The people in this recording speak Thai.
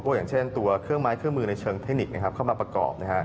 อย่างเช่นตัวเครื่องไม้เครื่องมือในเชิงเทคนิคเข้ามาประกอบ